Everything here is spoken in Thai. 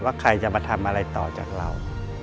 ใครจะมาทำอะไรต่อจากเรา